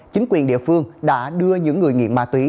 chính quyền địa phương đã đưa những người nghiện ma túy